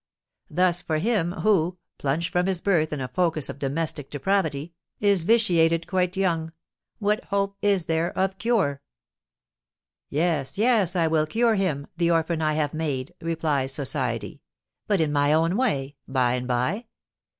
Thus for him who, plunged from his birth in a focus of domestic depravity, is vitiated quite young, what hope is there of cure? "Yes, yes, I will cure him, the orphan I have made," replies society; "but in my own way, by and by.